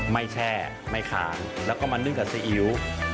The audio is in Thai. แช่ไม่ขานแล้วก็มานึ่งกับซีอิ๊ว